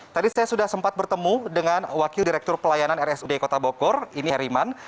tadi saya sudah sempat bertemu dengan wakil direktur pelayanan rsud kota bogor ini heriman